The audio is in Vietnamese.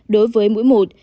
đối với mũi một